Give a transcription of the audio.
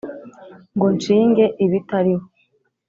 ngo nshinge ibitariho;